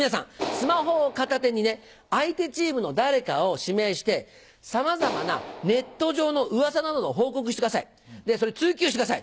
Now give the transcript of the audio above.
スマホを片手に相手チームの誰かを指名してさまざまなネット上のウワサなどを報告してくださいでそれを追及してください。